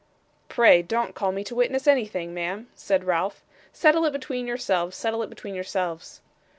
'Pray don't call me to witness anything, ma'am,' said Ralph. 'Settle it between yourselves, settle it between yourselves.